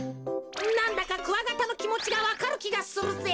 なんだかクワガタのきもちがわかるきがするぜ。